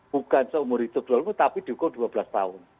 bukan seumur hidup dua puluh tapi dihukum dua belas tahun